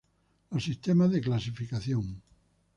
Los sistemas de clasificación.